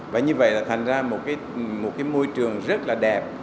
và như vậy là thành ra một cái môi trường rất là đẹp